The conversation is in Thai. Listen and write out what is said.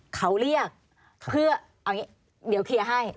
เขาเรียกเดี๋ยวเคลียร์ให้